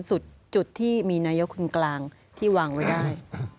จุดที่มีนายกคนกลางที่วางไว้ได้